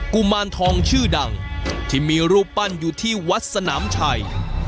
กุมารทองชื่อดังที่มีรูปปั้นอยู่ที่วัดสนามชัย